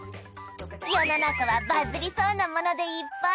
世の中はバズりそうなものでいっぱい！